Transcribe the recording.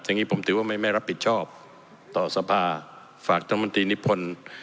อย่างนี้ผมถือว่าไม่รับผิดชอบต่อสภาฝากท่านมนตรีนิพนธ์